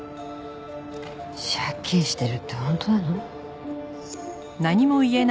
借金してるって本当なの？